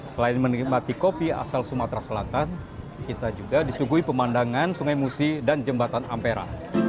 selain menikmati kopi asal sumatera selatan kita juga disuguhi pemandangan sungai musi dan jembatan ampera